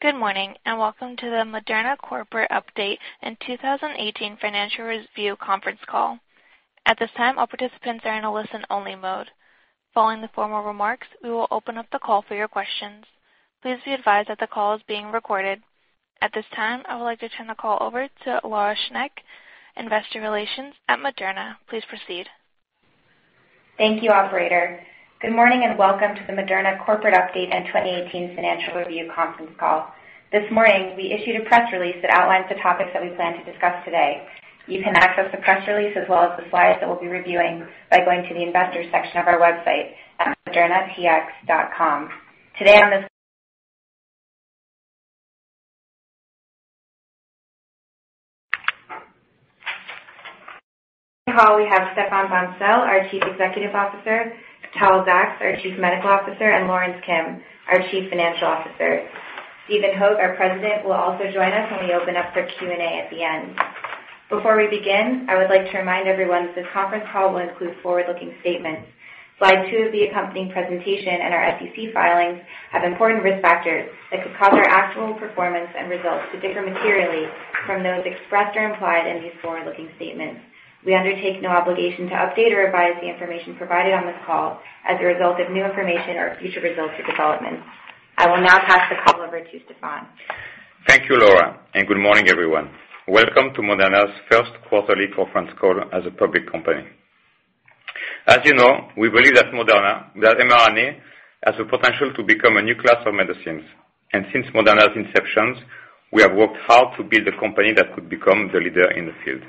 Good morning, welcome to the Moderna Corporate Update and 2018 Financial Review conference call. At this time, all participants are in a listen-only mode. Following the formal remarks, we will open up the call for your questions. Please be advised that the call is being recorded. At this time, I would like to turn the call over to Lavina Talukdar, Investor Relations at Moderna. Please proceed. Thank you, operator. Good morning, welcome to the Moderna Corporate Update and 2018 Financial Review conference call. This morning, we issued a press release that outlines the topics that we plan to discuss today. You can access the press release as well as the slides that we'll be reviewing by going to the investors section of our website at modernatx.com. Today on this call, we have Stéphane Bancel, our Chief Executive Officer, Tal Zaks, our Chief Medical Officer, and Lorence Kim, our Chief Financial Officer. Stephen Hoge, our President, will also join us when we open up for Q&A at the end. Before we begin, I would like to remind everyone that this conference call will include forward-looking statements. Slide two of the accompanying presentation and our SEC filings have important risk factors that could cause our actual performance and results to differ materially from those expressed or implied in these forward-looking statements. We undertake no obligation to update or revise the information provided on this call as a result of new information or future results or developments. I will now pass the call over to Stéphane. Thank you, Laura, good morning, everyone. Welcome to Moderna's first quarterly conference call as a public company. As you know, we believe that Moderna, that mRNA, has the potential to become a new class of medicines. Since Moderna's inception, we have worked hard to build a company that could become the leader in the field.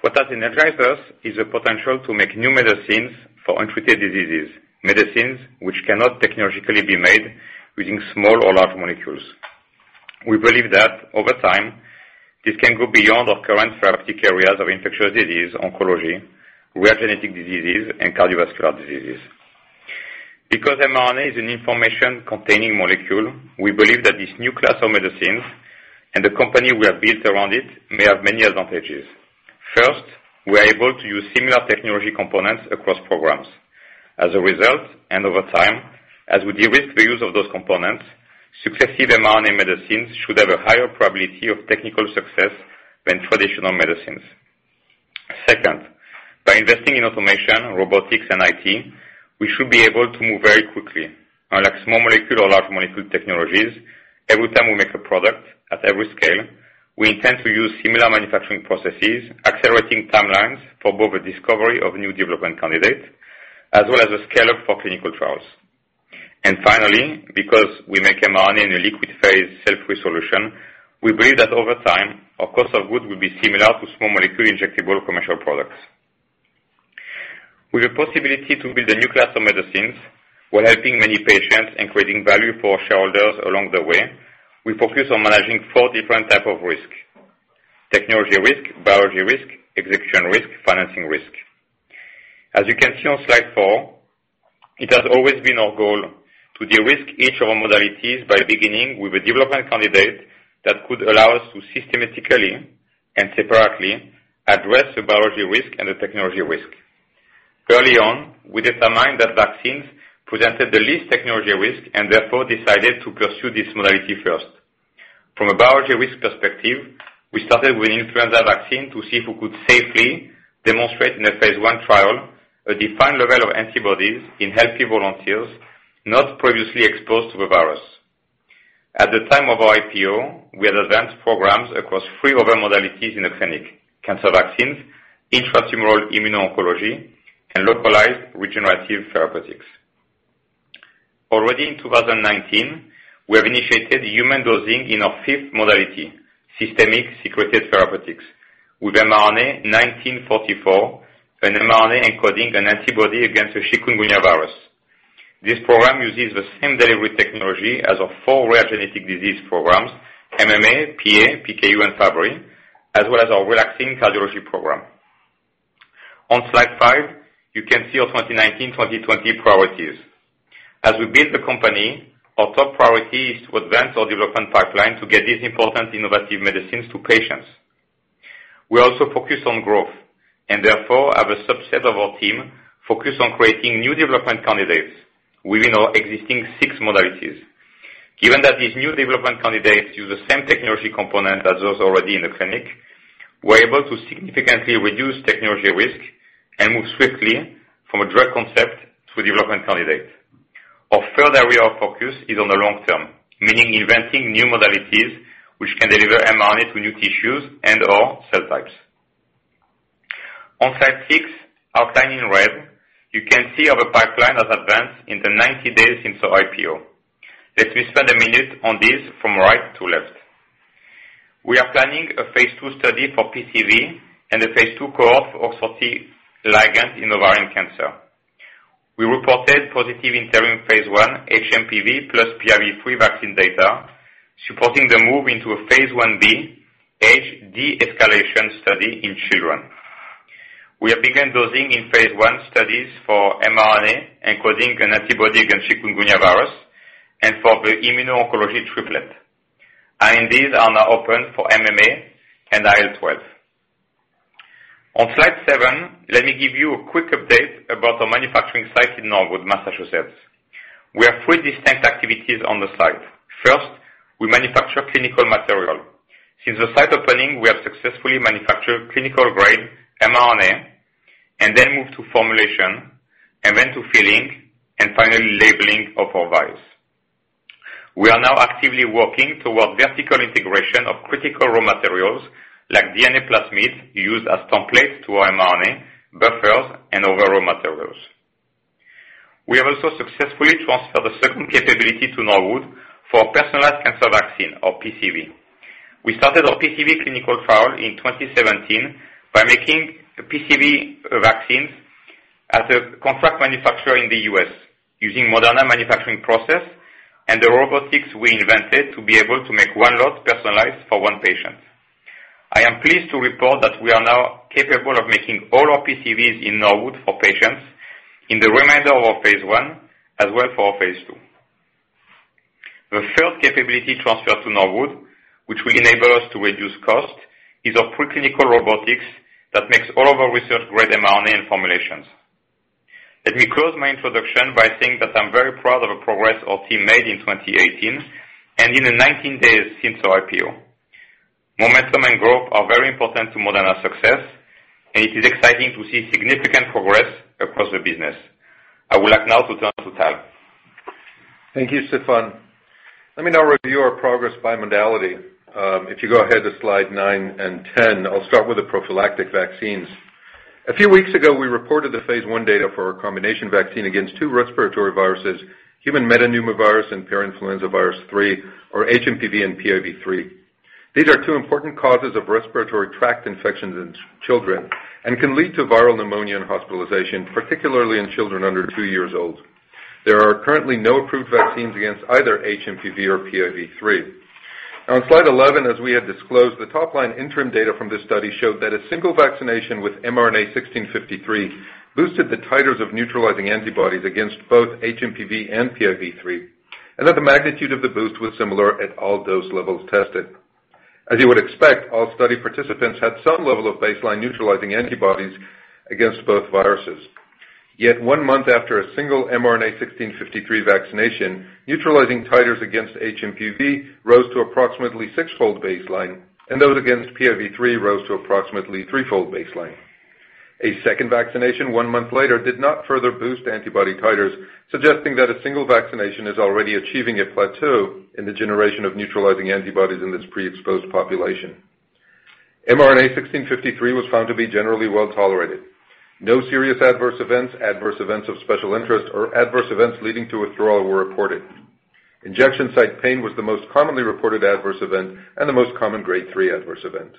What has energized us is the potential to make new medicines for untreated diseases, medicines which cannot technologically be made using small or large molecules. We believe that over time, this can go beyond our current therapeutic areas of infectious disease, oncology, rare genetic diseases, and cardiovascular diseases. Because mRNA is an information-containing molecule, we believe that this new class of medicines and the company we have built around it may have many advantages. First, we're able to use similar technology components across programs. As a result, over time, as we de-risk the use of those components, successive mRNA medicines should have a higher probability of technical success than traditional medicines. Second, by investing in automation, robotics, and IT, we should be able to move very quickly. Unlike small molecule or large molecule technologies, every time we make a product at every scale, we intend to use similar manufacturing processes, accelerating timelines for both the discovery of new development candidates, as well as the scale-up for clinical trials. Finally, because we make mRNA in a liquid phase self-resolution, we believe that over time, our cost of goods will be similar to small molecule injectable commercial products. With the possibility to build a new class of medicines while helping many patients and creating value for shareholders along the way, we focus on managing four different types of risk: technology risk, biology risk, execution risk, financing risk. As you can see on slide four, it has always been our goal to de-risk each of our modalities by beginning with a development candidate that could allow us to systematically and separately address the biology risk and the technology risk. Early on, we determined that vaccines presented the least technology risk, and therefore decided to pursue this modality first. From a biology risk perspective, we started with influenza vaccine to see if we could safely demonstrate in a phase I trial a defined level of antibodies in healthy volunteers not previously exposed to the virus. At the time of our IPO, we had advanced programs across three other modalities in the clinic: cancer vaccines, intratumoral immuno-oncology, and localized regenerative therapeutics. Already in 2019, we have initiated human dosing in our fifth modality, systemic secreted therapeutics, with mRNA-1944, an mRNA encoding an antibody against the chikungunya virus. This program uses the same delivery technology as our four rare genetic disease programs, MMA, PA, PKU, and Fabry, as well as our Relaxin cardiology program. On slide five, you can see our 2019, 2020 priorities. As we build the company, our top priority is to advance our development pipeline to get these important innovative medicines to patients. We also focus on growth and therefore have a subset of our team focused on creating new development candidates within our existing six modalities. Given that these new development candidates use the same technology component as those already in the clinic, we're able to significantly reduce technology risk and move swiftly from a drug concept to a development candidate. Our third area of focus is on the long term, meaning inventing new modalities which can deliver mRNA to new tissues and/or cell types. On slide six, outlined in red, you can see how the pipeline has advanced in the 90 days since our IPO. Let me spend a minute on this from right to left. We are planning a phase II study for PCV and a phase II cohort for OX40 ligand in ovarian cancer. We reported positive interim phase I HMPV plus PIV3 vaccine data supporting the move into a phase I-B age de-escalation study in children. We have begun dosing in phase I studies for mRNA encoding an antibody against chikungunya virus and for the immuno-oncology triplet. INDs are now open for MMA and IL-12. On slide seven, let me give you a quick update about our manufacturing site in Norwood, Massachusetts. We have three distinct activities on the slide. First, we manufacture clinical material. Since the site opening, we have successfully manufactured clinical-grade mRNA, and then moved to formulation, and then to filling, and finally labeling of our vials. We are now actively working toward vertical integration of critical raw materials like DNA plasmids used as templates to our mRNA, buffers, and other raw materials. We have also successfully transferred a second capability to Norwood for personalized cancer vaccine, or PCV. We started our PCV clinical trial in 2017 by making PCV vaccines as a contract manufacturer in the U.S., using Moderna manufacturing process and the robotics we invented to be able to make one lot personalized for one patient. I am pleased to report that we are now capable of making all our PCVs in Norwood for patients in the remainder of our phase I, as well for our phase II. The third capability transfer to Norwood, which will enable us to reduce cost, is our preclinical robotics that makes all of our research-grade mRNA and formulations. Let me close my introduction by saying that I'm very proud of the progress our team made in 2018 and in the 19 days since our IPO. Momentum and growth are very important to Moderna's success, and it is exciting to see significant progress across the business. I would like now to turn to Tal. Thank you, Stéphane. Let me now review our progress by modality. If you go ahead to slide nine and 10, I'll start with the prophylactic vaccines. A few weeks ago, we reported the phase I data for our combination vaccine against two respiratory viruses, human metapneumovirus and parainfluenza virus 3, or HMPV and PIV3. These are two important causes of respiratory tract infections in children and can lead to viral pneumonia and hospitalization, particularly in children under two years old. There are currently no approved vaccines against either HMPV or PIV3. Now on slide 11, as we had disclosed, the top-line interim data from this study showed that a single vaccination with mRNA-1653 boosted the titers of neutralizing antibodies against both HMPV and PIV3, and that the magnitude of the boost was similar at all dose levels tested. As you would expect, all study participants had some level of baseline neutralizing antibodies against both viruses. Yet one month after a single mRNA-1653 vaccination, neutralizing titers against HMPV rose to approximately sixfold baseline, and those against PIV3 rose to approximately threefold baseline. A second vaccination one month later did not further boost antibody titers, suggesting that a single vaccination is already achieving a plateau in the generation of neutralizing antibodies in this pre-exposed population. mRNA-1653 was found to be generally well tolerated. No serious adverse events, adverse events of special interest, or adverse events leading to withdrawal were reported. Injection site pain was the most commonly reported adverse event and the most common grade 3 adverse event.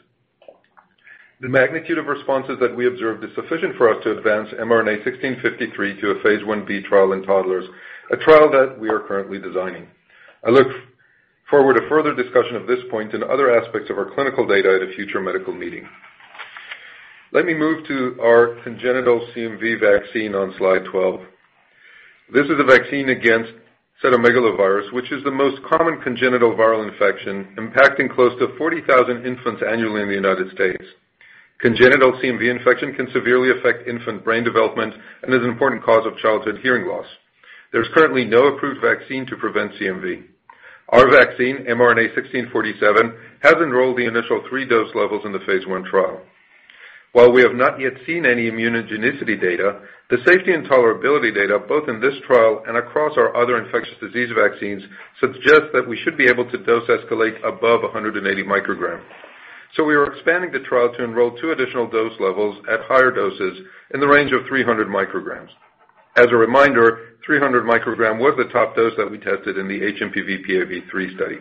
The magnitude of responses that we observed is sufficient for us to advance mRNA-1653 to a phase I-B trial in toddlers, a trial that we are currently designing. I look forward to further discussion of this point and other aspects of our clinical data at a future medical meeting. Let me move to our congenital CMV vaccine on slide 12. This is a vaccine against cytomegalovirus, which is the most common congenital viral infection, impacting close to 40,000 infants annually in the U.S. Congenital CMV infection can severely affect infant brain development and is an important cause of childhood hearing loss. There is currently no approved vaccine to prevent CMV. Our vaccine, mRNA-1647, has enrolled the initial three dose levels in the phase I trial. While we have not yet seen any immunogenicity data, the safety and tolerability data both in this trial and across our other infectious disease vaccines suggest that we should be able to dose escalate above 180 microgram. We are expanding the trial to enroll two additional dose levels at higher doses in the range of 300 micrograms. As a reminder, 300 microgram was the top dose that we tested in the HMPV-PIV3 study.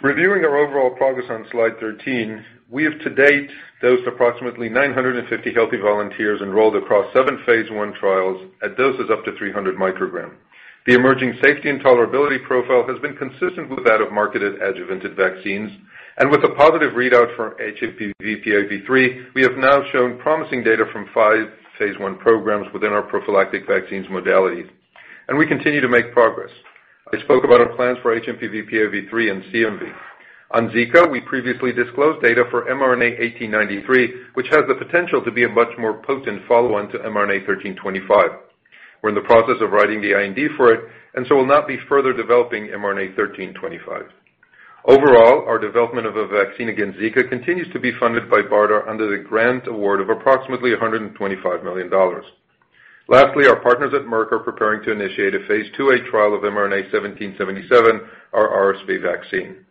Reviewing our overall progress on slide 13, we have to date dosed approximately 950 healthy volunteers enrolled across seven phase I trials at doses up to 300 microgram. The emerging safety and tolerability profile has been consistent with that of marketed adjuvanted vaccines. With a positive readout from HMPV-PIV3, we have now shown promising data from five phase I programs within our prophylactic vaccines modality. We continue to make progress. I spoke about our plans for HMPV-PIV3 and CMV. On Zika, we previously disclosed data for mRNA-1893, which has the potential to be a much more potent follow-on to mRNA-1325. We are in the process of writing the IND for it and so will not be further developing mRNA-1325. Overall, our development of a vaccine against Zika continues to be funded by BARDA under the grant award of approximately $125 million. Lastly, our partners at Merck are preparing to initiate a phase II-A trial of mRNA-1777, our RSV vaccine.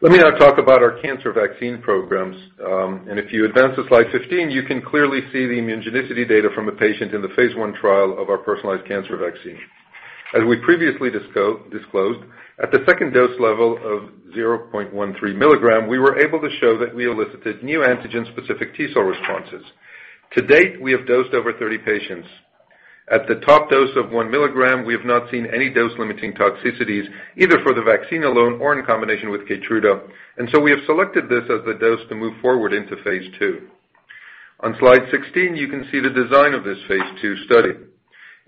Let me now talk about our cancer vaccine programs. If you advance to slide 15, you can clearly see the immunogenicity data from a patient in the phase I trial of our personalized cancer vaccine. As we previously disclosed, at the dose level 2 of 0.13 milligram, we were able to show that we elicited new antigen-specific T cell responses. To date, we have dosed over 30 patients. At the top dose of one milligram, we have not seen any dose-limiting toxicities, either for the vaccine alone or in combination with KEYTRUDA. We have selected this as the dose to move forward into phase II. On slide 16, you can see the design of this phase II study.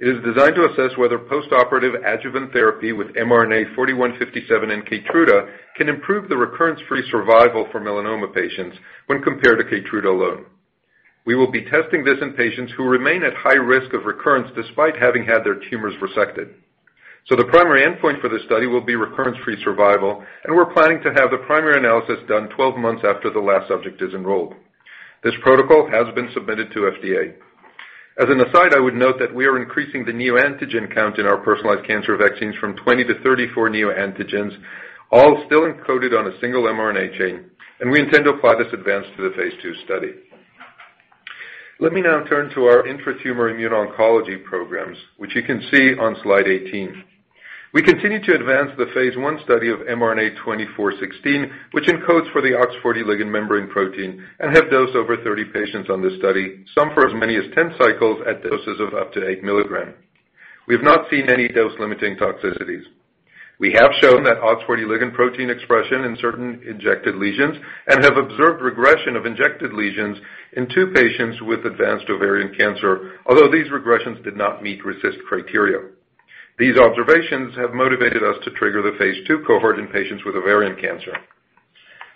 It is designed to assess whether postoperative adjuvant therapy with mRNA-4157 and KEYTRUDA can improve the recurrence-free survival for melanoma patients when compared to KEYTRUDA alone. We will be testing this in patients who remain at high risk of recurrence, despite having had their tumors resected. The primary endpoint for this study will be recurrence-free survival, and we're planning to have the primary analysis done 12 months after the last subject is enrolled. This protocol has been submitted to FDA. As an aside, I would note that we are increasing the neoantigen count in our personalized cancer vaccines from 20 to 34 neoantigens, all still encoded on a single mRNA chain. We intend to apply this advance to the phase II study. Let me now turn to our intratumoral immuno-oncology programs, which you can see on slide 18. We continue to advance the phase I study of mRNA-2416, which encodes for the OX40 ligand membrane protein and have dosed over 30 patients on this study, some for as many as 10 cycles at doses of up to eight milligrams. We've not seen any dose-limiting toxicities. We have shown that OX40 ligand protein expression in certain injected lesions, and have observed regression of injected lesions in two patients with advanced ovarian cancer, although these regressions did not meet RECIST criteria. These observations have motivated us to trigger the phase II cohort in patients with ovarian cancer.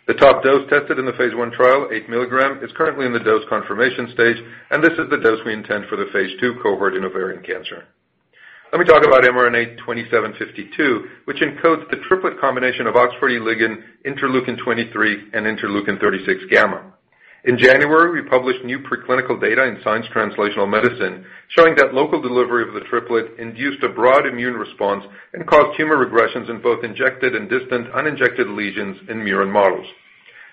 The top dose tested in the phase I trial, eight milligrams, is currently in the dose confirmation stage. This is the dose we intend for the phase II cohort in ovarian cancer. Let me talk about mRNA-2752, which encodes the triplet combination of OX40 ligand, interleukin-23, and interleukin-36 gamma. In January, we published new preclinical data in Science Translational Medicine showing that local delivery of the triplet induced a broad immune response and caused tumor regressions in both injected and distant uninjected lesions in murine models.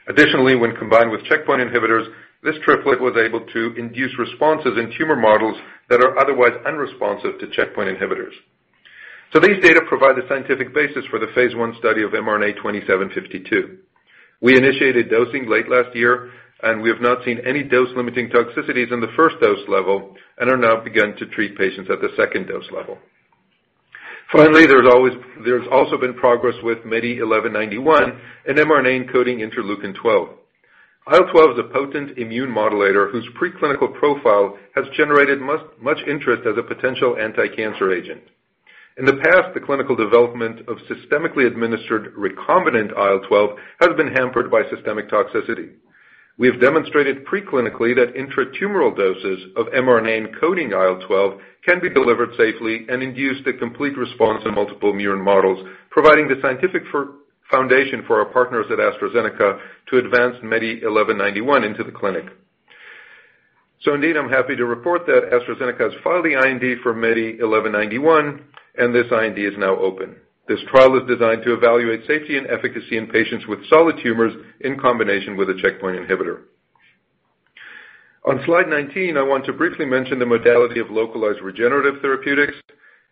Additionally, when combined with checkpoint inhibitors, this triplet was able to induce responses in tumor models that are otherwise unresponsive to checkpoint inhibitors. These data provide the scientific basis for the phase I study of mRNA-2752. We initiated dosing late last year. We have not seen any dose-limiting toxicities in the first dose level and are now beginning to treat patients at the second dose level. Finally, there has also been progress with MEDI1191 and mRNA encoding interleukin-12. IL-12 is a potent immune modulator whose preclinical profile has generated much interest as a potential anticancer agent. In the past, the clinical development of systemically administered recombinant IL-12 has been hampered by systemic toxicity. We have demonstrated preclinically that intratumoral doses of mRNA encoding IL-12 can be delivered safely and induced a complete response in multiple murine models, providing the scientific foundation for our partners at AstraZeneca to advance MEDI1191 into the clinic. Indeed, I'm happy to report that AstraZeneca has filed the IND for MEDI1191. This IND is now open. This trial is designed to evaluate safety and efficacy in patients with solid tumors in combination with a checkpoint inhibitor. On slide 19, I want to briefly mention the modality of localized regenerative therapeutics.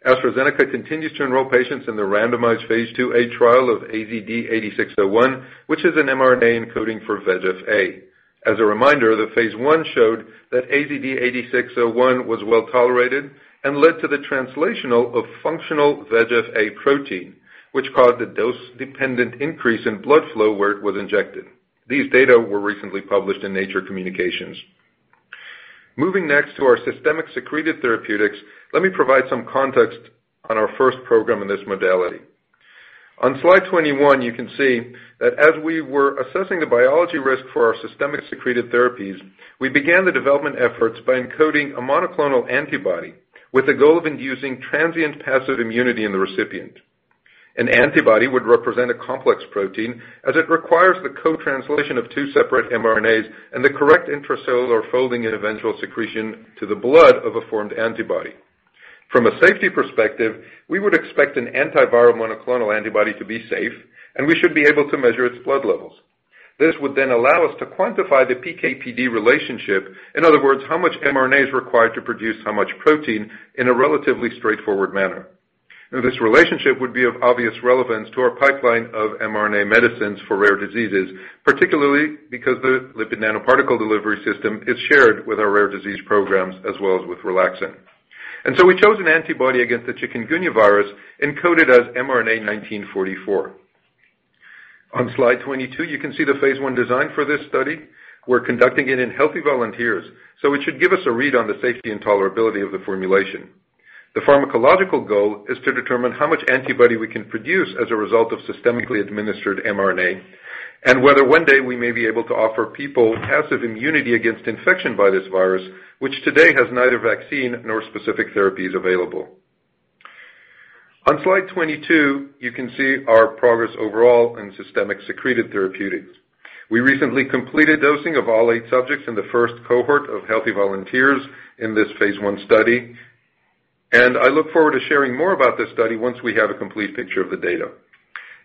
AstraZeneca continues to enroll patients in the randomized phase IIa trial of AZD8601, which is an mRNA encoding for VEGF-A. As a reminder, the phase I showed that AZD8601 was well-tolerated and led to the translation of functional VEGF-A protein, which caused a dose-dependent increase in blood flow where it was injected. These data were recently published in Nature Communications. Next to our systemic secreted therapeutics, let me provide some context on our first program in this modality. On slide 21, you can see that as we were assessing the biology risk for our systemic secreted therapies, we began the development efforts by encoding a monoclonal antibody with the goal of inducing transient passive immunity in the recipient. An antibody would represent a complex protein as it requires the co-translation of two separate mRNAs and the correct intracellular folding and eventual secretion to the blood of a formed antibody. From a safety perspective, we would expect an antiviral monoclonal antibody to be safe, and we should be able to measure its blood levels. This would then allow us to quantify the PK/PD relationship, in other words, how much mRNA is required to produce how much protein, in a relatively straightforward manner. This relationship would be of obvious relevance to our pipeline of mRNA medicines for rare diseases, particularly because the lipid nanoparticle delivery system is shared with our rare disease programs as well as with Relaxin. We chose an antibody against the chikungunya virus encoded as mRNA-1944. On slide 22, you can see the phase I design for this study. We're conducting it in healthy volunteers, so it should give us a read on the safety and tolerability of the formulation. The pharmacological goal is to determine how much antibody we can produce as a result of systemically administered mRNA, and whether one day we may be able to offer people passive immunity against infection by this virus, which today has neither vaccine nor specific therapies available. On slide 22, you can see our progress overall in systemic secreted therapeutics. We recently completed dosing of all eight subjects in the first cohort of healthy volunteers in this phase I study, and I look forward to sharing more about this study once we have a complete picture of the data.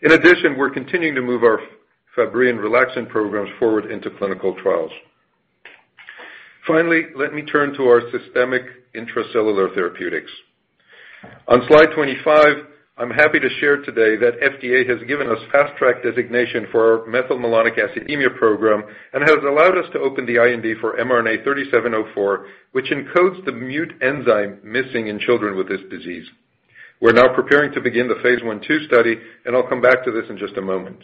In addition, we're continuing to move our Fabry and Relaxin programs forward into clinical trials. Let me turn to our systemic intracellular therapeutics. On slide 25, I'm happy to share today that FDA has given us Fast Track designation for our methylmalonic acidemia program and has allowed us to open the IND for mRNA-3704, which encodes the MUT enzyme missing in children with this disease. We're now preparing to begin the phase I/II study, and I'll come back to this in just a moment.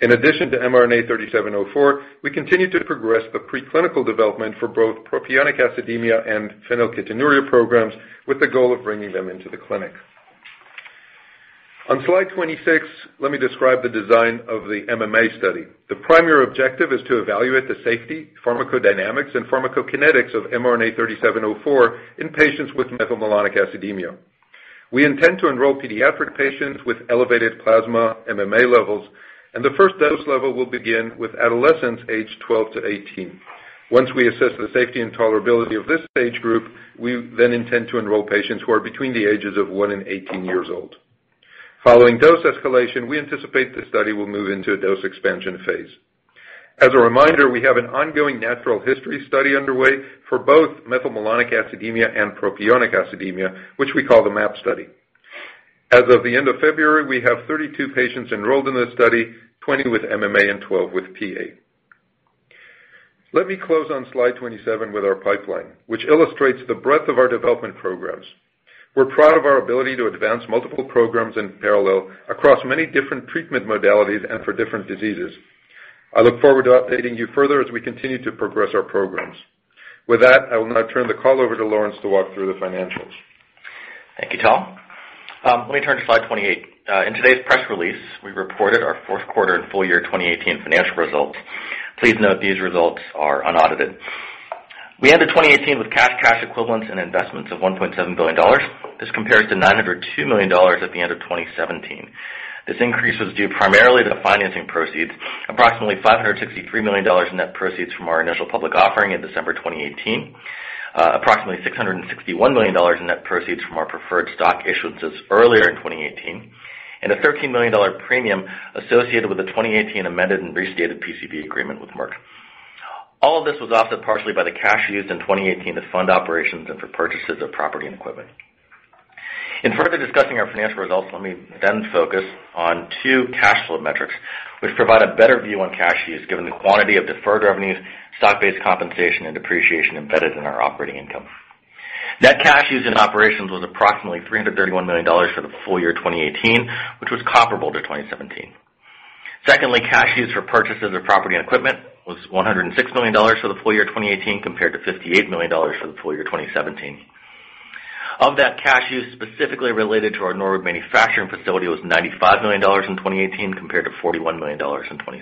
In addition to mRNA-3704, we continue to progress the preclinical development for both propionic acidemia and phenylketonuria programs with the goal of bringing them into the clinic. On slide 26, let me describe the design of the MMA study. The primary objective is to evaluate the safety, pharmacodynamics, and pharmacokinetics of mRNA-3704 in patients with methylmalonic acidemia. We intend to enroll pediatric patients with elevated plasma MMA levels, and the first dose level will begin with adolescents aged 12 to 18. Once we assess the safety and tolerability of this age group, we then intend to enroll patients who are between the ages of one and 18 years old. Following dose escalation, we anticipate the study will move into a dose expansion phase. As a reminder, we have an ongoing natural history study underway for both methylmalonic acidemia and propionic acidemia, which we call the MaP study. As of the end of February, we have 32 patients enrolled in this study, 20 with MMA and 12 with PA. Let me close on slide 27 with our pipeline, which illustrates the breadth of our development programs. We're proud of our ability to advance multiple programs in parallel across many different treatment modalities and for different diseases. I look forward to updating you further as we continue to progress our programs. With that, I will now turn the call over to Lorence to walk through the financials. Thank you, Tal. Let me turn to slide 28. In today's press release, we reported our fourth quarter and full year 2018 financial results. Please note these results are unaudited. We ended 2018 with cash equivalents, and investments of $1.7 billion. This compares to $902 million at the end of 2017. This increase was due primarily to the financing proceeds, approximately $563 million in net proceeds from our initial public offering in December 2018, approximately $661 million in net proceeds from our preferred stock issuances earlier in 2018, and a $13 million premium associated with the 2018 amended and restated PCV agreement with Merck. All of this was offset partially by the cash used in 2019 to fund operations and for purchases of property and equipment. In further discussing our financial results, let me then focus on two cash flow metrics, which provide a better view on cash use given the quantity of deferred revenues, stock-based compensation, and depreciation embedded in our operating income. Secondly, cash used for purchases of property and equipment was $106 million for the full year 2018, compared to $58 million for the full year 2017. Of that cash used specifically related to our Norwood manufacturing facility was $95 million in 2018, compared to $41 million in 2017.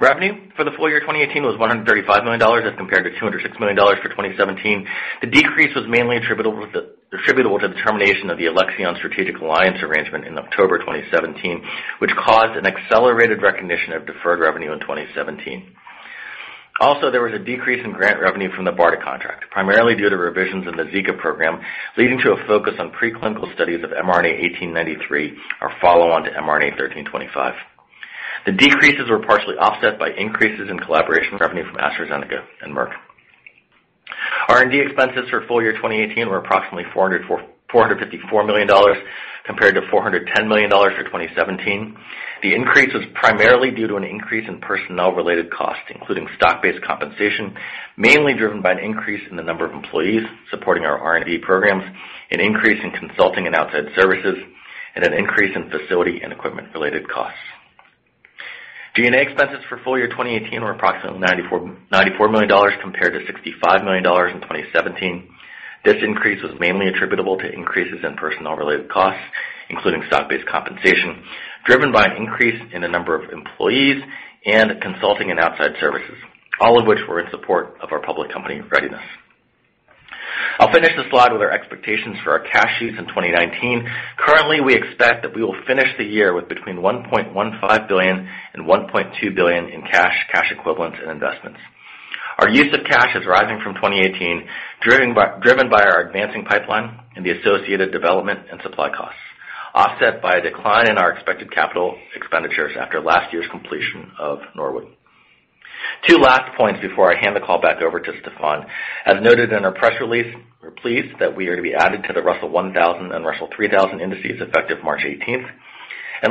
Revenue for the full year 2018 was $135 million as compared to $206 million for 2017. The decrease was mainly attributable to the termination of the Alexion strategic alliance arrangement in October 2017, which caused an accelerated recognition of deferred revenue in 2017. There was a decrease in grant revenue from the BARDA contract, primarily due to revisions in the Zika program, leading to a focus on preclinical studies of mRNA-1893, our follow-on to mRNA-1325. The decreases were partially offset by increases in collaboration revenue from AstraZeneca and Merck. R&D expenses for full year 2018 were approximately $454 million, compared to $410 million for 2017. The increase was primarily due to an increase in personnel-related costs, including stock-based compensation, mainly driven by an increase in the number of employees supporting our R&D programs, an increase in consulting and outside services, and an increase in facility and equipment-related costs. G&A expenses for full year 2018 were approximately $94 million compared to $65 million in 2017. This increase was mainly attributable to increases in personnel-related costs, including stock-based compensation, driven by an increase in the number of employees and consulting and outside services, all of which were in support of our public company readiness. I'll finish this slide with our expectations for our cash use in 2019. Currently, we expect that we will finish the year with between $1.15 billion and $1.2 billion in cash equivalents, and investments. Our use of cash is rising from 2018, driven by our advancing pipeline and the associated development and supply costs, offset by a decline in our expected capital expenditures after last year's completion of Norwood. Two last points before I hand the call back over to Stéphane. As noted in our press release, we're pleased that we are to be added to the Russell 1000 and Russell 3000 indices effective March 18th.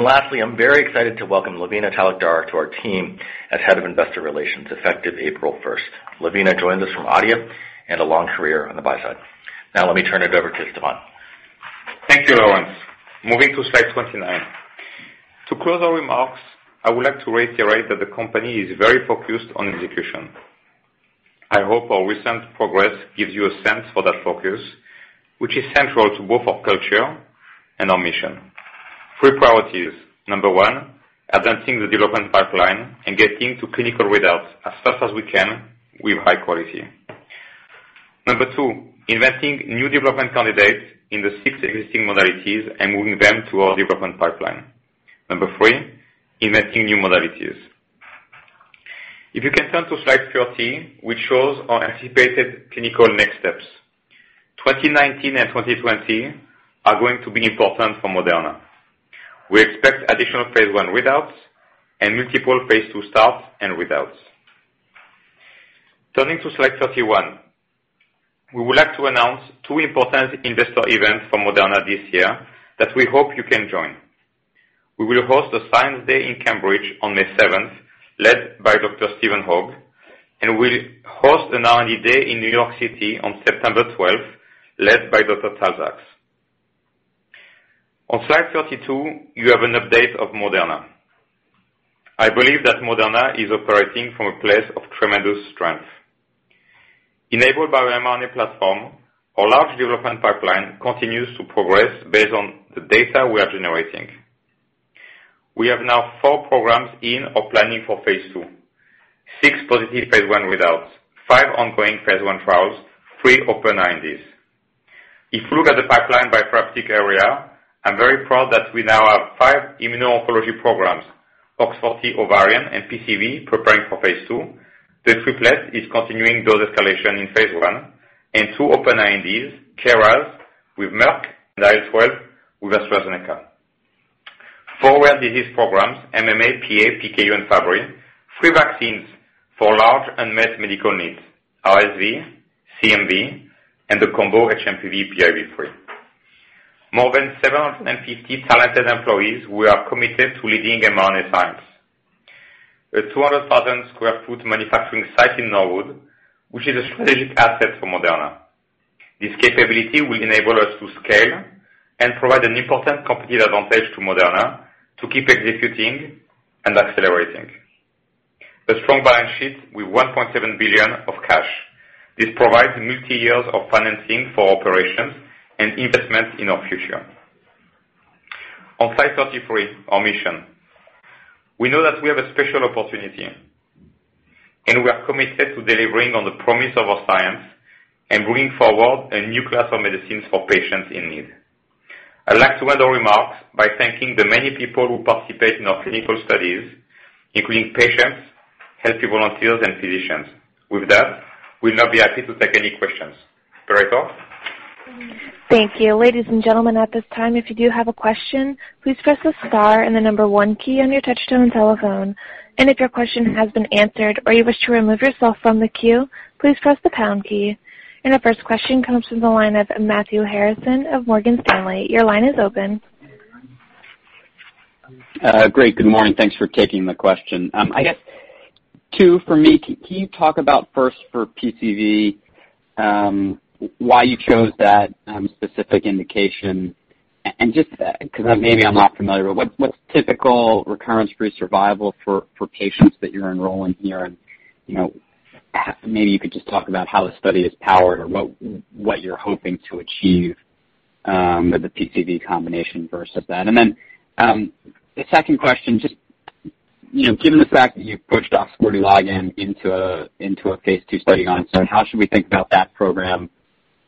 Lastly, I'm very excited to welcome Lavina Talukdar to our team as Head of Investor Relations, effective April 1st. Lavina joins us from ADIA and a long career on the buy side. Let me turn it over to Stéphane. Thank you, Lorence. Moving to slide 29. To close our remarks, I would like to reiterate that the company is very focused on execution. I hope our recent progress gives you a sense for that focus, which is central to both our culture and our mission. Three priorities. Number one, advancing the development pipeline and getting to clinical readouts as fast as we can with high quality. Number two, investing new development candidates in the six existing modalities and moving them to our development pipeline. Number three, inventing new modalities. If you can turn to slide 30, which shows our anticipated clinical next steps. 2019 and 2020 are going to be important for Moderna. We expect additional phase I readouts and multiple phase II starts and readouts. Turning to slide 31, we would like to announce two important investor events for Moderna this year that we hope you can join. We will host a science day in Cambridge on May 7th, led by Dr. Stephen Hoge. We'll host an R&D day in New York City on September 12th, led by Dr. Tal Zaks. On slide 32, you have an update of Moderna. I believe that Moderna is operating from a place of tremendous strength. Enabled by our mRNA platform, our large development pipeline continues to progress based on the data we are generating. We have now four programs in or planning for phase II, six positive phase I results, five ongoing phase I trials, three open INDs. If you look at the pipeline by therapeutic area, I'm very proud that we now have five immuno-oncology programs, OX40 ovarian and PCV preparing for phase II. The triplet is continuing dose escalation in phase I and two open INDs, KRAS with Merck and IL-12 with AstraZeneca. Four rare disease programs, MMA, PA, PKU, and Fabry. Three vaccines for large unmet medical needs, RSV, CMV, and the combo HMPV, PIV3. More than 750 talented employees who are committed to leading mRNA science. A 200,000 sq ft manufacturing site in Norwood, which is a strategic asset for Moderna. This capability will enable us to scale and provide an important competitive advantage to Moderna to keep executing and accelerating. A strong balance sheet with $1.7 billion of cash. This provides many years of financing for operations and investment in our future. On slide 33, our mission. We know that we have a special opportunity. We are committed to delivering on the promise of our science and bringing forward a new class of medicines for patients in need. I'd like to end our remarks by thanking the many people who participate in our clinical studies, including patients, healthy volunteers, and physicians. With that, we'll now be happy to take any questions. Operator? Thank you. Ladies and gentlemen, at this time, if you do have a question, please press the star and the number one key on your touch-tone telephone. If your question has been answered or you wish to remove yourself from the queue, please press the pound key. Our first question comes from the line of Matthew Harrison of Morgan Stanley. Your line is open. Great. Good morning. Thanks for taking the question. I guess two for me. Can you talk about first for PCV, why you chose that specific indication? Just because maybe I'm not familiar, what's typical recurrence-free survival for patients that you're enrolling here? Maybe you could just talk about how the study is powered or what you're hoping to achieve with the PCV combination versus that. The second question, just given the fact that you've pushed OX40 ligand into a phase II study on its own, how should we think about that program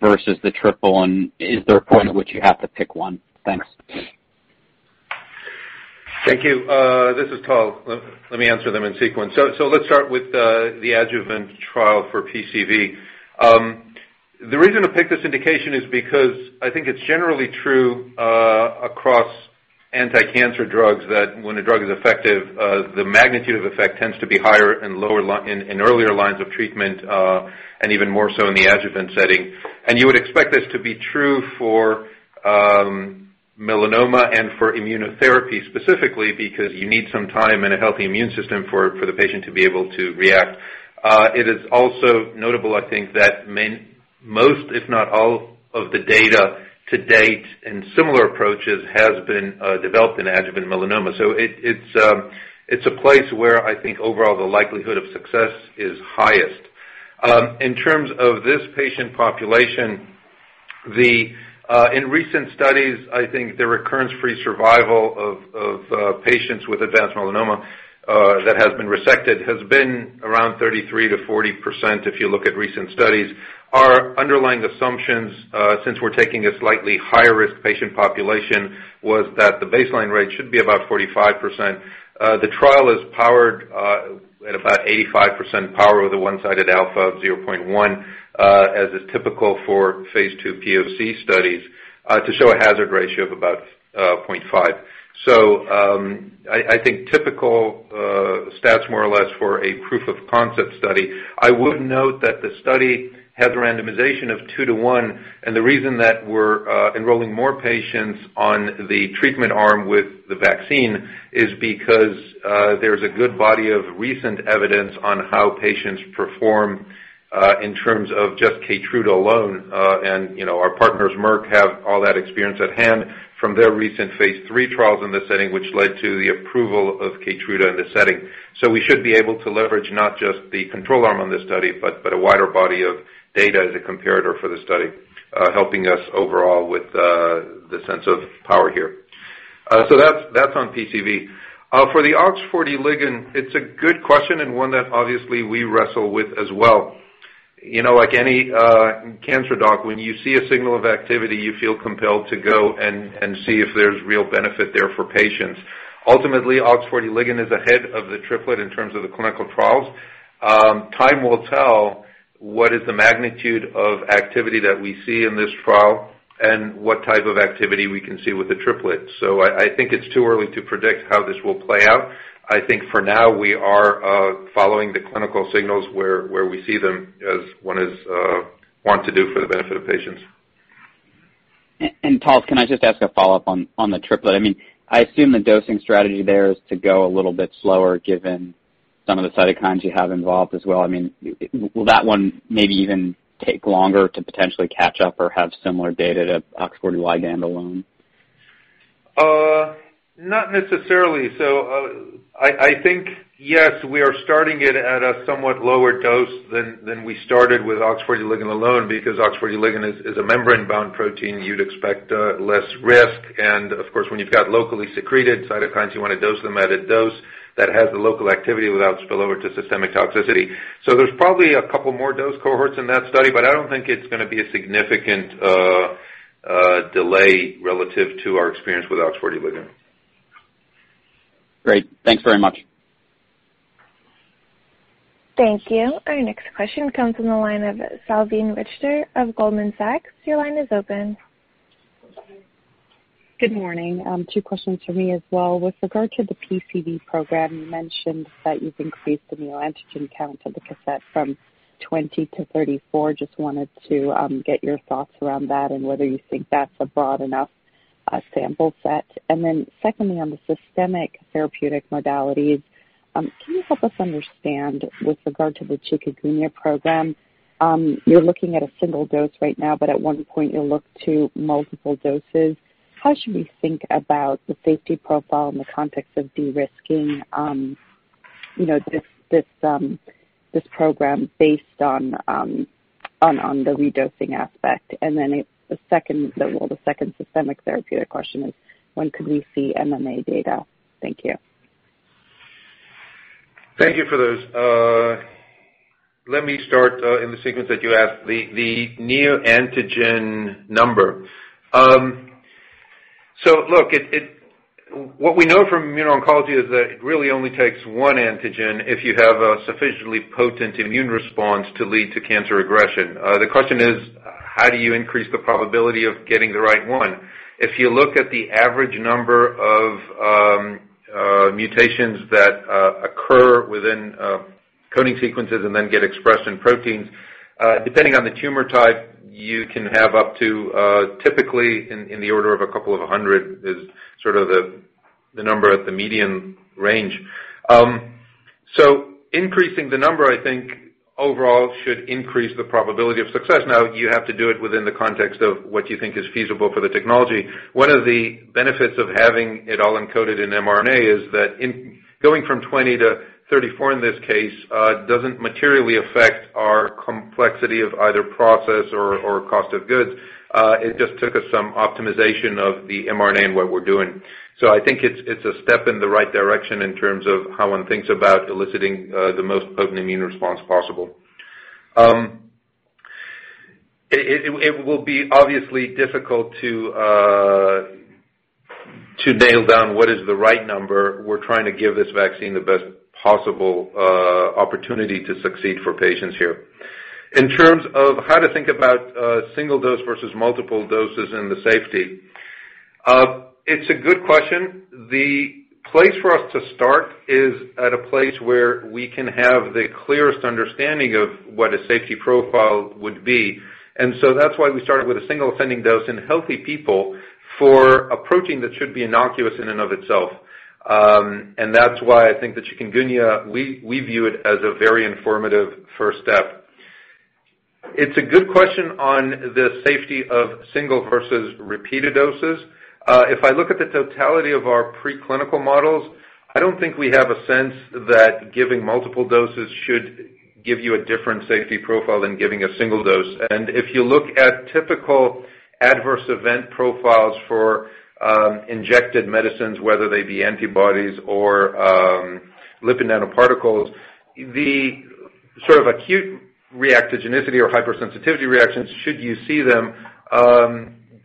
versus the triplet? Is there a point at which you have to pick one? Thanks. Thank you. This is Tal. Let me answer them in sequence. Let's start with the adjuvant trial for PCV. The reason to pick this indication is because I think it's generally true across anti-cancer drugs that when a drug is effective, the magnitude of effect tends to be higher in earlier lines of treatment, and even more so in the adjuvant setting. You would expect this to be true for melanoma and for immunotherapy specifically because you need some time and a healthy immune system for the patient to be able to react. It is also notable, I think, that most, if not all of the data to date and similar approaches has been developed in adjuvant melanoma. It's a place where I think overall the likelihood of success is highest. In terms of this patient population, in recent studies, I think the recurrence-free survival of patients with advanced melanoma that has been resected has been around 33%-40%, if you look at recent studies. Our underlying assumptions, since we're taking a slightly higher risk patient population, was that the baseline rate should be about 45%. The trial is powered at about 85% power with a one-sided alpha of 0.1 as is typical for phase II POC studies to show a hazard ratio of about 0.5. I think typical stats more or less for a proof of concept study. I would note that the study has a randomization of two to one, the reason that we're enrolling more patients on the treatment arm with the vaccine is because there's a good body of recent evidence on how patients perform in terms of just KEYTRUDA alone. Our partners, Merck, have all that experience at hand from their recent phase III trials in this setting, which led to the approval of KEYTRUDA in this setting. We should be able to leverage not just the control arm on this study, but a wider body of data as a comparator for the study, helping us overall with the sense of power here. That's on PCV. For the OX40 ligand, it's a good question and one that obviously we wrestle with as well. Like any cancer doc, when you see a signal of activity, you feel compelled to go and see if there's real benefit there for patients. Ultimately, OX40 ligand is ahead of the triplet in terms of the clinical trials. Time will tell what is the magnitude of activity that we see in this trial and what type of activity we can see with the triplet. I think it's too early to predict how this will play out. I think for now we are following the clinical signals where we see them as one is wont to do for the benefit of patients. Tal, can I just ask a follow-up on the triplet? I assume the dosing strategy there is to go a little bit slower given some of the cytokines you have involved as well. Will that one maybe even take longer to potentially catch up or have similar data to OX40L ligand alone? Not necessarily. I think, yes, we are starting it at a somewhat lower dose than we started with OX40 ligand alone, because OX40 ligand is a membrane-bound protein. You'd expect less risk. Of course, when you've got locally secreted cytokines, you want to dose them at a dose that has the local activity without spillover to systemic toxicity. There's probably a couple more dose cohorts in that study, but I don't think it's going to be a significant delay relative to our experience with OX40 ligand. Great. Thanks very much. Thank you. Our next question comes from the line of Salveen Richter of Goldman Sachs. Your line is open. Good morning. Two questions from me as well. With regard to the PCV program, you mentioned that you've increased the neoantigen count of the cassette from 20 to 34. Just wanted to get your thoughts around that and whether you think that's a broad enough sample set. Secondly, on the systemic therapeutic modalities, can you help us understand with regard to the chikungunya program, you're looking at a single dose right now, but at one point you'll look to multiple doses. How should we think about the safety profile in the context of de-risking this program based on the redosing aspect? The second systemic therapeutic question is when could we see MMA data? Thank you. Thank you for those. Let me start in the sequence that you asked, the neoantigen number. Look, what we know from immuno-oncology is that it really only takes one antigen if you have a sufficiently potent immune response to lead to cancer regression. The question is, how do you increase the probability of getting the right one? If you look at the average number of mutations that occur within coding sequences and then get expressed in proteins, depending on the tumor type, you can have up to typically in the order of a couple of hundred is sort of the number at the median range. Increasing the number, I think overall should increase the probability of success. Now you have to do it within the context of what you think is feasible for the technology. One of the benefits of having it all encoded in mRNA is that going from 20 to 34 in this case, doesn't materially affect our complexity of either process or cost of goods. It just took us some optimization of the mRNA and what we're doing. I think it's a step in the right direction in terms of how one thinks about eliciting the most potent immune response possible. It will be obviously difficult to nail down what is the right number. We're trying to give this vaccine the best possible opportunity to succeed for patients here. In terms of how to think about single dose versus multiple doses and the safety, it's a good question. The place for us to start is at a place where we can have the clearest understanding of what a safety profile would be. That's why we started with a single ascending dose in healthy people for a protein that should be innocuous in and of itself. That's why I think the chikungunya, we view it as a very informative first step. It's a good question on the safety of single versus repeated doses. If I look at the totality of our preclinical models, I don't think we have a sense that giving multiple doses should give you a different safety profile than giving a single dose. If you look at typical adverse event profiles for injected medicines, whether they be antibodies or lipid nanoparticles, the sort of acute reactogenicity or hypersensitivity reactions, should you see them,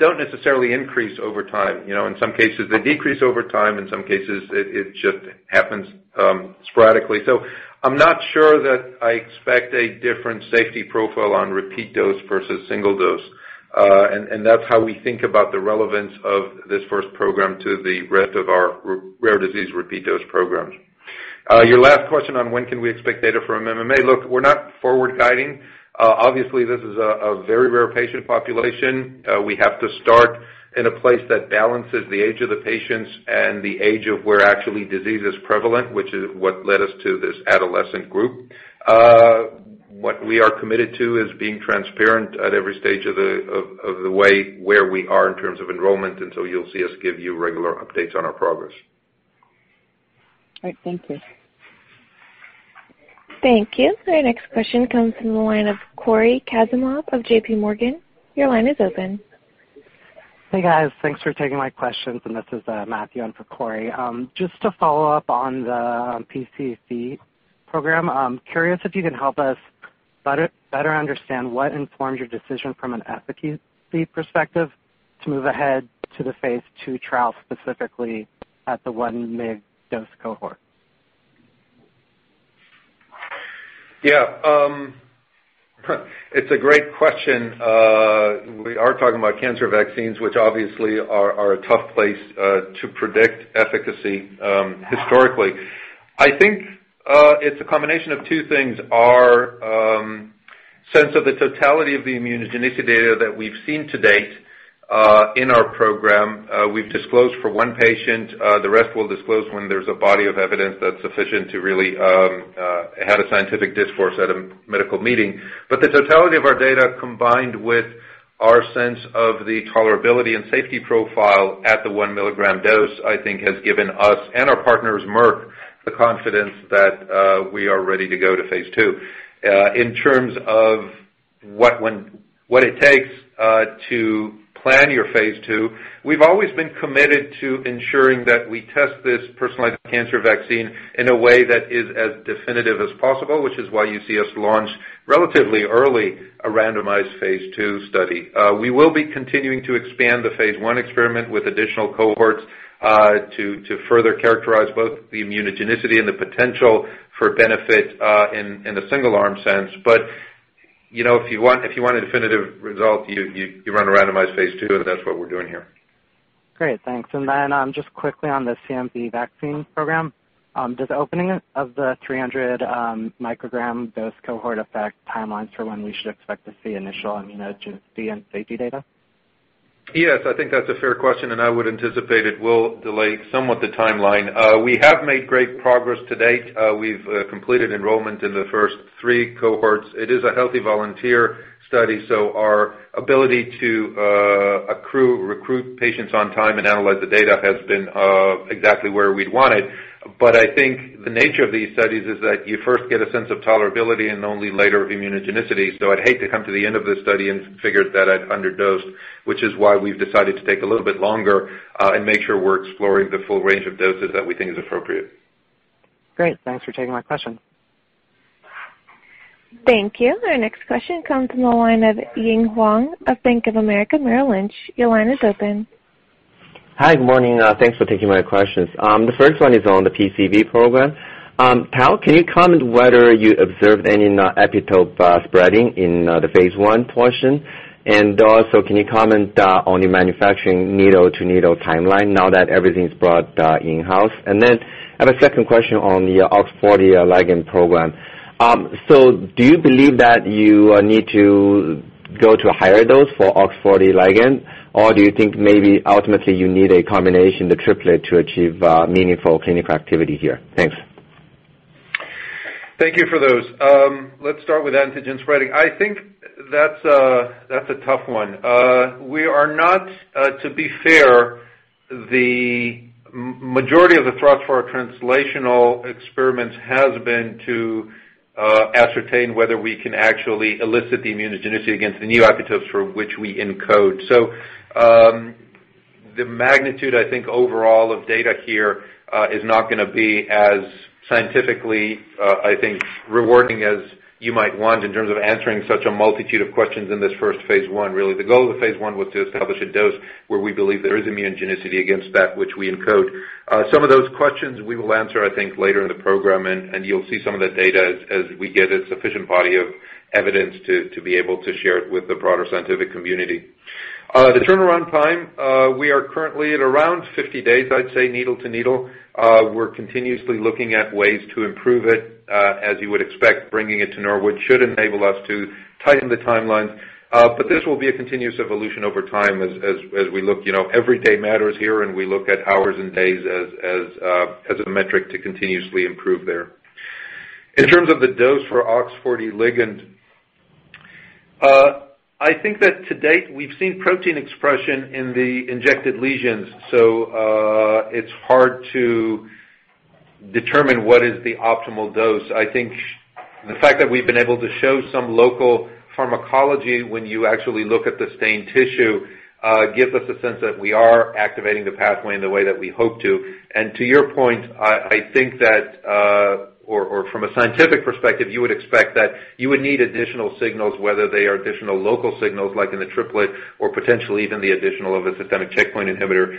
don't necessarily increase over time. In some cases, they decrease over time. In some cases, it just happens sporadically. I'm not sure that I expect a different safety profile on repeat dose versus single dose. That's how we think about the relevance of this first program to the rest of our rare disease repeat dose programs. Your last question on when can we expect data from MMA. Look, we're not forward guiding. Obviously, this is a very rare patient population. We have to start in a place that balances the age of the patients and the age of where actually disease is prevalent, which is what led us to this adolescent group. What we are committed to is being transparent at every stage of the way, where we are in terms of enrollment, you'll see us give you regular updates on our progress. All right. Thank you. Thank you. Our next question comes from the line of Cory Kasimov of J.P. Morgan. Your line is open. Hey, guys. Thanks for taking my questions. This is Matthew in for Cory. Just to follow up on the PCV program, curious if you can help us better understand what informed your decision from an efficacy perspective to move ahead to the phase II trial, specifically at the 1 mg dose cohort. Yeah. It's a great question. We are talking about cancer vaccines, which obviously are a tough place to predict efficacy historically. I think it's a combination of two things. Our sense of the totality of the immunogenicity data that we've seen to date, in our program, we've disclosed for one patient. The rest we'll disclose when there's a body of evidence that's sufficient to really have a scientific discourse at a medical meeting. The totality of our data, combined with our sense of the tolerability and safety profile at the 1 milligram dose, I think, has given us and our partners, Merck, the confidence that we are ready to go to phase II. In terms of what it takes to plan your phase II, we've always been committed to ensuring that we test this Personalized Cancer Vaccine in a way that is as definitive as possible, which is why you see us launch relatively early a randomized phase II study. We will be continuing to expand the phase I experiment with additional cohorts, to further characterize both the immunogenicity and the potential for benefit, in the single arm sense. If you want a definitive result, you run a randomized phase II. That's what we're doing here. Great. Thanks. Just quickly on the CMV vaccine program, does the opening of the 300 microgram dose cohort affect timelines for when we should expect to see initial immunogenicity and safety data? Yes, I think that's a fair question. I would anticipate it will delay somewhat the timeline. We have made great progress to date. We've completed enrollment in the first three cohorts. It is a healthy volunteer study, so our ability to accrue, recruit patients on time and analyze the data has been exactly where we'd want it. I think the nature of these studies is that you first get a sense of tolerability and only later of immunogenicity. I'd hate to come to the end of this study and figure that I've underdosed, which is why we've decided to take a little bit longer, and make sure we're exploring the full range of doses that we think is appropriate. Great. Thanks for taking my question. Thank you. Our next question comes from the line of Ying Huang of Bank of America Merrill Lynch. Your line is open. Hi. Good morning. Thanks for taking my questions. The first one is on the PCV program. Tal, can you comment whether you observed any epitope spreading in the phase I portion? Also, can you comment on your manufacturing needle-to-needle timeline now that everything's brought in-house? Then I have a second question on the OX40 ligand program. Do you believe that you need to go to a higher dose for OX40 ligand, or do you think maybe ultimately you need a combination, the triplet, to achieve meaningful clinical activity here? Thanks. Thank you for those. Let's start with antigen spreading. I think that's a tough one. To be fair, the majority of the thrust for our translational experiments has been to ascertain whether we can actually elicit the immunogenicity against the new epitopes for which we encode. The magnitude, I think, overall of data here, is not going to be as scientifically, I think, rewarding as you might want in terms of answering such a multitude of questions in this first phase I. Really, the goal of phase I was to establish a dose where we believe there is immunogenicity against that which we encode. Some of those questions we will answer, I think, later in the program, and you'll see some of that data as we get a sufficient body of evidence to be able to share it with the broader scientific community. The turnaround time, we are currently at around 50 days, I'd say, needle to needle. We're continuously looking at ways to improve it. As you would expect, bringing it to Norwood should enable us to tighten the timelines. This will be a continuous evolution over time as we look. Every day matters here, and we look at hours and days as a metric to continuously improve there. In terms of the dose for OX40 ligand, I think that to date we've seen protein expression in the injected lesions, so it's hard to determine what is the optimal dose. I think the fact that we've been able to show some local pharmacology when you actually look at the stained tissue, gives us a sense that we are activating the pathway in the way that we hope to. To your point, I think that, or from a scientific perspective, you would expect that you would need additional signals, whether they are additional local signals, like in the triplet or potentially even the additional of a systemic checkpoint inhibitor,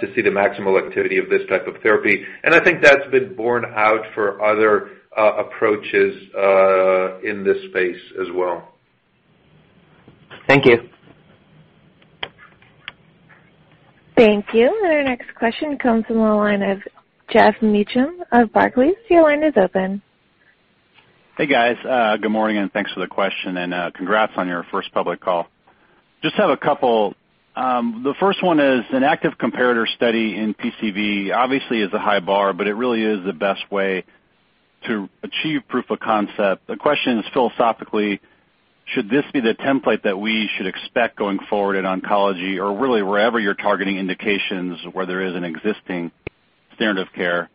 to see the maximal activity of this type of therapy. I think that's been borne out for other approaches in this space as well. Thank you. Thank you. Our next question comes from the line of Geoff Meacham of Barclays. Your line is open. Hey, guys. Good morning, thanks for the question and congrats on your first public call. Just have a couple. The first one is an active comparator study in PCV obviously is a high bar, but it really is the best way to achieve proof of concept. The question is philosophically, should this be the template that we should expect going forward in oncology or really wherever you're targeting indications where there is an existing standard of care?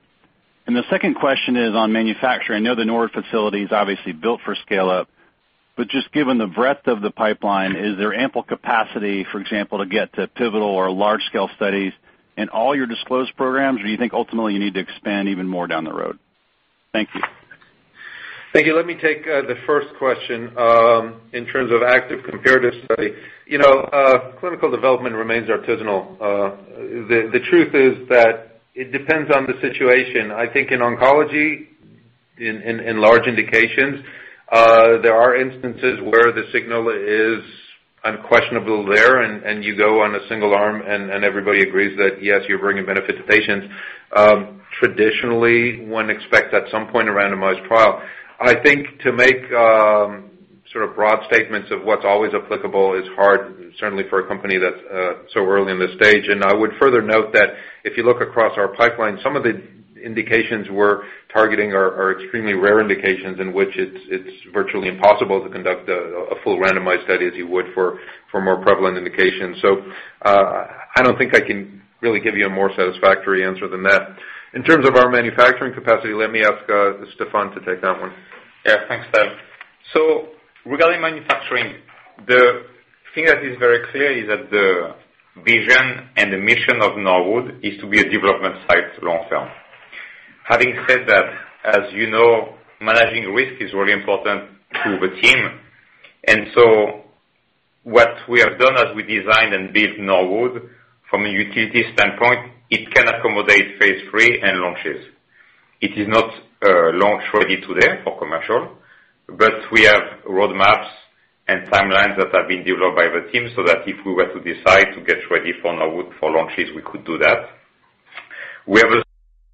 The second question is on manufacturing. I know the Norwood facility is obviously built for scale-up, but just given the breadth of the pipeline, is there ample capacity, for example, to get to pivotal or large-scale studies in all your disclosed programs, or you think ultimately you need to expand even more down the road? Thank you. Thank you. Let me take the first question in terms of active comparator study. Clinical development remains artisanal. The truth is that it depends on the situation. I think in oncology, in large indications, there are instances where the signal is unquestionable there, and you go on a single arm, and everybody agrees that, yes, you're bringing benefit to patients. Traditionally, one expects, at some point, a randomized trial. I think to make broad statements of what's always applicable is hard, certainly for a company that's so early in the stage. I would further note that if you look across our pipeline, some of the indications we're targeting are extremely rare indications in which it's virtually impossible to conduct a full randomized study as you would for more prevalent indications. I don't think I can really give you a more satisfactory answer than that. In terms of our manufacturing capacity, let me ask Stéphane to take that one. Yeah. Thanks, Tal. Regarding manufacturing, the thing that is very clear is that the vision and the mission of Norwood is to be a development site long term. Having said that, as you know, managing risk is really important to the team. What we have done as we design and build Norwood from a utility standpoint, it can accommodate phase III and launches. It is not a launch ready today for commercial, but we have roadmaps and timelines that have been developed by the team so that if we were to decide to get ready for Norwood for launches, we could do that. We have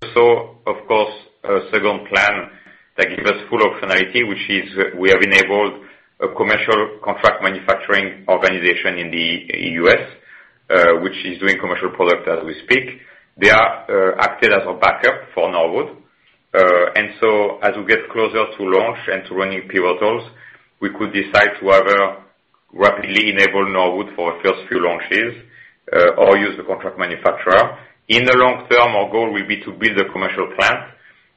also, of course, a second plan that gives us full optionality, which is we have enabled a commercial contract manufacturing organization in the U.S., which is doing commercial product as we speak. They are acting as a backup for Norwood. As we get closer to launch and to running pivotals, we could decide to either rapidly enable Norwood for our first few launches or use the contract manufacturer. In the long term, our goal will be to build a commercial plant,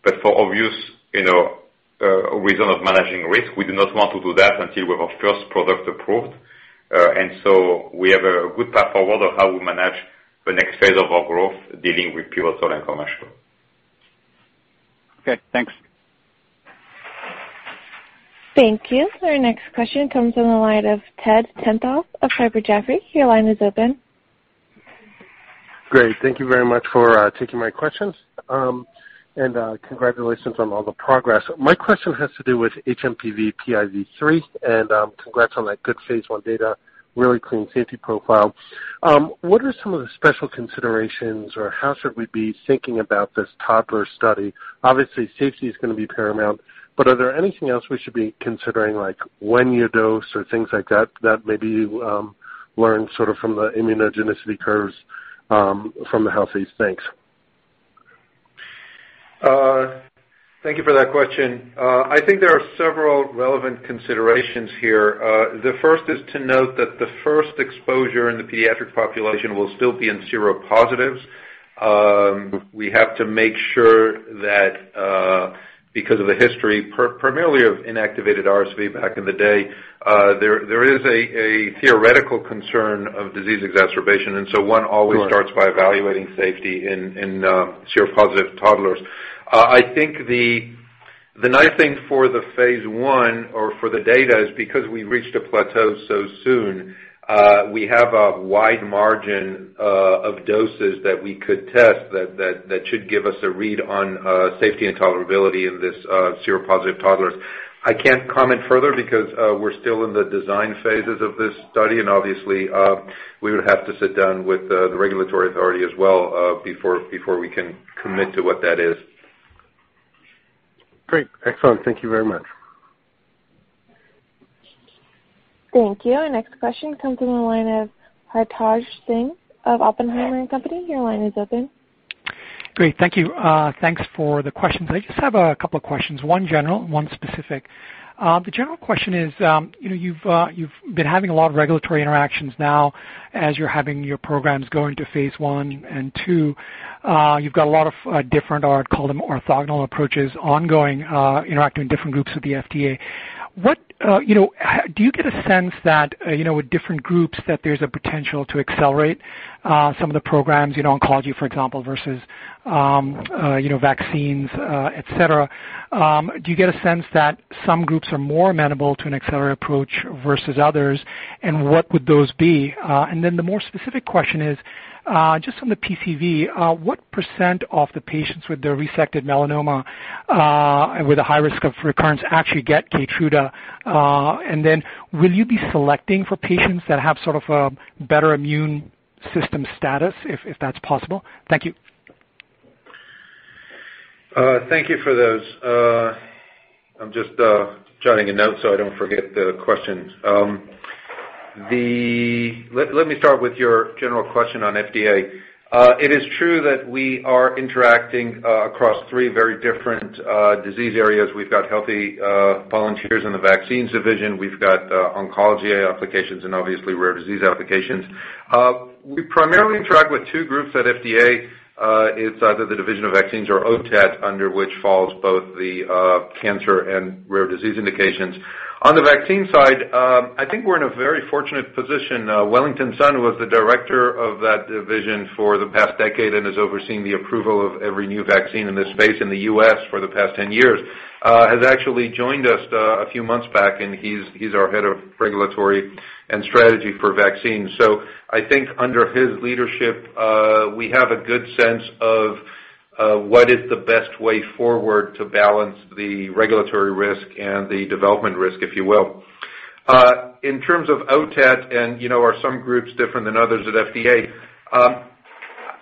but for obvious reason of managing risk, we do not want to do that until we have our first product approved. We have a good path forward of how we manage the next phase of our growth dealing with pivotal and commercial. Okay, thanks. Thank you. Our next question comes on the line of Ted Tenthoff of Piper Jaffray. Your line is open. Great. Thank you very much for taking my questions. Congratulations on all the progress. My question has to do with HMPV-PIV3, and congrats on that good phase I data. Really clean safety profile. What are some of the special considerations or how should we be thinking about this toddler study? Obviously, safety is going to be paramount, but are there anything else we should be considering, like when you dose or things like that maybe you learned from the immunogenicity curves from the healthies? Thanks. Thank you for that question. I think there are several relevant considerations here. The first is to note that the first exposure in the pediatric population will still be in seropositives. We have to make sure that because of the history, primarily of inactivated RSV back in the day, there is a theoretical concern of disease exacerbation. So one always starts by evaluating safety in seropositive toddlers. I think the nice thing for the phase I or for the data is because we reached a plateau so soon, we have a wide margin of doses that we could test that should give us a read on safety and tolerability in these seropositive toddlers. I can't comment further because we're still in the design phases of this study. Obviously, we would have to sit down with the regulatory authority as well before we can commit to what that is. Great. Excellent. Thank you very much. Thank you. Our next question comes in the line of Hartaj Singh of Oppenheimer & Co.. Your line is open. Great. Thank you. Thanks for the questions. I just have a couple of questions, one general, one specific. The general question is, you've been having a lot of regulatory interactions now as you're having your programs go into phase I and II. You've got a lot of different, I call them orthogonal approaches, ongoing interacting different groups with the FDA. Do you get a sense that with different groups, that there's a potential to accelerate some of the programs, oncology, for example, versus vaccines, et cetera? Do you get a sense that some groups are more amenable to an accelerated approach versus others? What would those be? The more specific question is, just on the PCV, what % of the patients with their resected melanoma with a high risk of recurrence actually get KEYTRUDA? Will you be selecting for patients that have sort of a better immune system status, if that's possible? Thank you. Thank you for those. I'm just jotting a note so I don't forget the questions. Let me start with your general question on FDA. It is true that we are interacting across three very different disease areas. We've got healthy volunteers in the vaccines division. We've got oncology applications and obviously rare disease applications. We primarily interact with two groups at FDA. It's either the Division of Vaccines or OTAT, under which falls both the cancer and rare disease indications. On the vaccine side, I think we're in a very fortunate position. Wellington Sun, who was the director of that division for the past decade and has overseen the approval of every new vaccine in this space in the U.S. for the past 10 years, has actually joined us a few months back. He's our head of regulatory and strategy for vaccines. I think under his leadership, we have a good sense of what is the best way forward to balance the regulatory risk and the development risk, if you will? In terms of OTAT, are some groups different than others at FDA,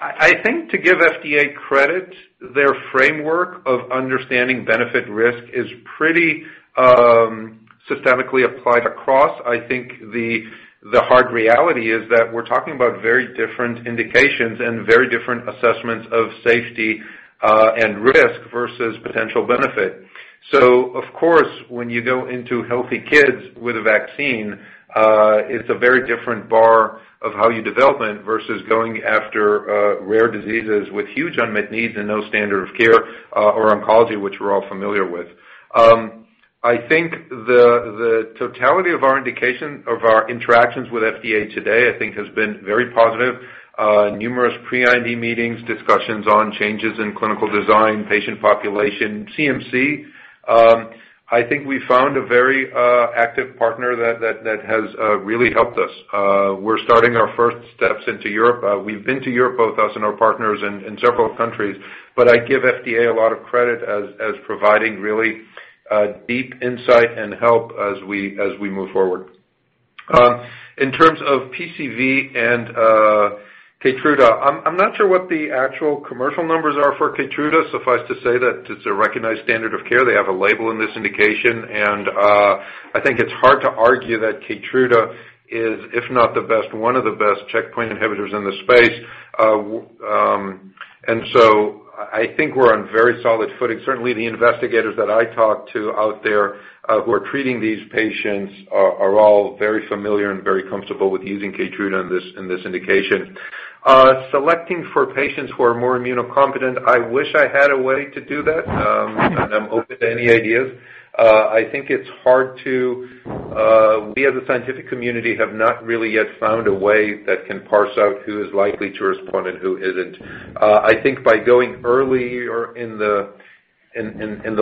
I think to give FDA credit, their framework of understanding benefit risk is pretty systemically applied across. I think the hard reality is that we're talking about very different indications and very different assessments of safety and risk versus potential benefit. Of course, when you go into healthy kids with a vaccine, it's a very different bar of how you develop it versus going after rare diseases with huge unmet needs and no standard of care, or oncology, which we're all familiar with. I think the totality of our interactions with FDA today, I think, has been very positive. Numerous pre-IND meetings, discussions on changes in clinical design, patient population, CMC. I think we've found a very active partner that has really helped us. We're starting our first steps into Europe. We've been to Europe, both us and our partners, in several countries. I give FDA a lot of credit as providing really deep insight and help as we move forward. In terms of PCV and KEYTRUDA, I'm not sure what the actual commercial numbers are for KEYTRUDA. Suffice to say that it's a recognized standard of care. They have a label in this indication, and I think it's hard to argue that KEYTRUDA is, if not the best, one of the best checkpoint inhibitors in the space. I think we're on very solid footing. Certainly, the investigators that I talk to out there who are treating these patients are all very familiar and very comfortable with using KEYTRUDA in this indication. Selecting for patients who are more immunocompetent, I wish I had a way to do that, and I'm open to any ideas. I think it's hard. We, as a scientific community, have not really yet found a way that can parse out who is likely to respond and who isn't. I think by going earlier in the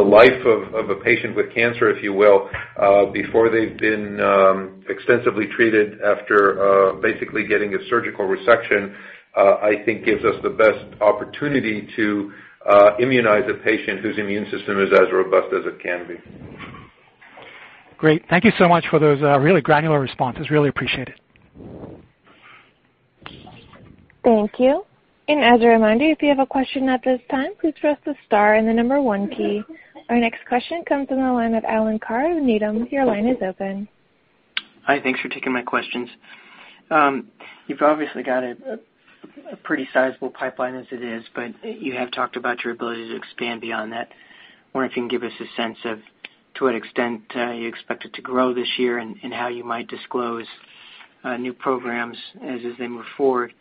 life of a patient with cancer, if you will, before they've been extensively treated after basically getting a surgical resection, I think gives us the best opportunity to immunize a patient whose immune system is as robust as it can be. Great. Thank you so much for those really granular responses. Really appreciate it. Thank you. As a reminder, if you have a question at this time, please press the star and the number one key. Our next question comes from the line of Alan Carr, Needham. Your line is open. Hi. Thanks for taking my questions. You've obviously got a pretty sizable pipeline as it is, but you have talked about your ability to expand beyond that. I'm wondering if you can give us a sense of to what extent you expect it to grow this year and how you might disclose new programs as they move forward.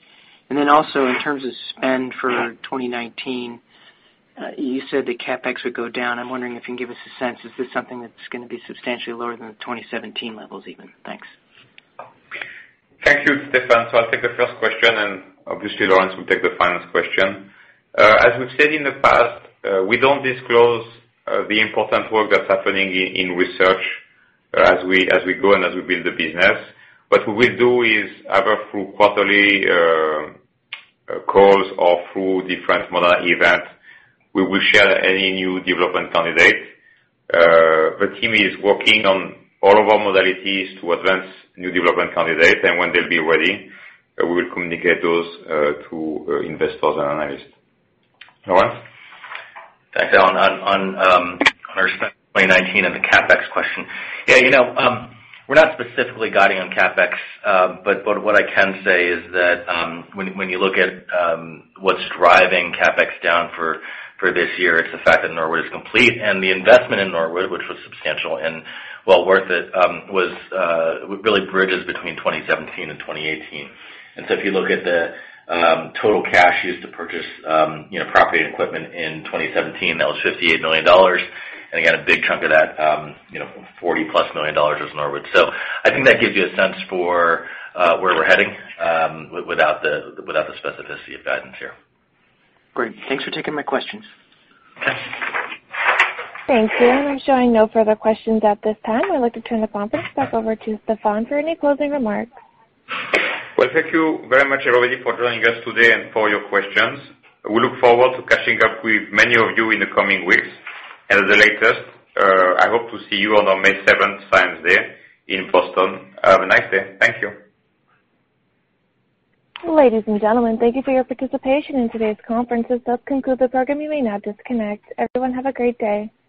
Also, in terms of spend for 2019, you said the CapEx would go down. I'm wondering if you can give us a sense. Is this something that's going to be substantially lower than the 2017 levels, even? Thanks. Thank you, Stéphane. I'll take the first question, and obviously Lorence will take the finance question. As we've said in the past, we don't disclose the important work that's happening in research as we grow and as we build the business. What we will do is, either through quarterly calls or through different Moderna events, we will share any new development candidate. The team is working on all of our modalities to advance new development candidates, and when they'll be ready, we will communicate those to investors and analysts. Lorence? Thanks, Alan. On our spend 2019 and the CapEx question. We're not specifically guiding on CapEx. What I can say is that when you look at what's driving CapEx down for this year, it's the fact that Norwood is complete. The investment in Norwood, which was substantial and well worth it, really bridges between 2017 and 2018. If you look at the total cash used to purchase property and equipment in 2017, that was $58 million. Again, a big chunk of that, $40-plus million, was Norwood. I think that gives you a sense for where we're heading without the specificity of guidance here. Great. Thanks for taking my questions. Okay. Thank you. I'm showing no further questions at this time. I'd like to turn the conference back over to Stéphane for any closing remarks. Well, thank you very much, everybody, for joining us today and for your questions. We look forward to catching up with many of you in the coming weeks. At the latest, I hope to see you on May 7th, Science Day in Boston. Have a nice day. Thank you. Ladies and gentlemen, thank you for your participation in today's conference. This does conclude the program. You may now disconnect. Everyone, have a great day.